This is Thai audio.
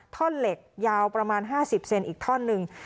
ท่อนเหล็กยาวประมาณ๕๐เซนอีกท่อนหนึ่ง